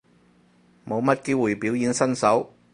冇乜機會表演身手